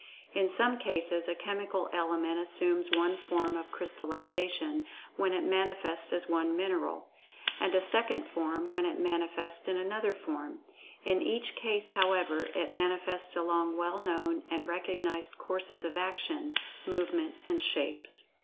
In some cases a chemical element assumes one form of crystallization when it manifests as one mineral, and a second form when it manifests in another form—in each case however, it manifests along well known and recognized courses of action, movement, and shapes.